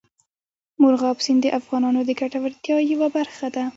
مورغاب سیند د افغانانو د ګټورتیا یوه برخه ده.